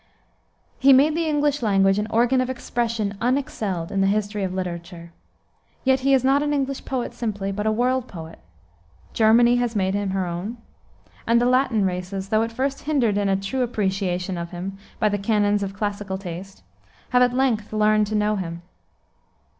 He made the English language an organ of expression unexcelled in the history of literature. Yet he is not an English poet simply, but a world poet. Germany has made him her own, and the Latin races, though at first hindered in a true appreciation of him by the canons of classical taste, have at length learned to know him.